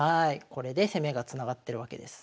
これで攻めがつながってるわけです。